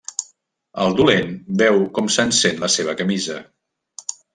El dolent veu com s'encén la seva camisa.